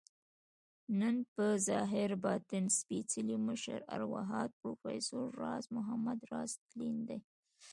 نن په ظاهر ، باطن سپیڅلي مشر، ارواښاد پروفیسر راز محمد راز تلين دی